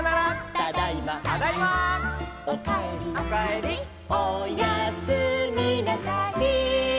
「ただいま」「」「おかえり」「」「おやすみなさい」